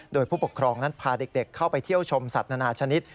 โดยผู้ปกครองนั้นพาเด็กเข้าไปเที่ยวชมสัตว์นานาชนิด